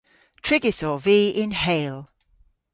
Trigys ov vy yn Heyl.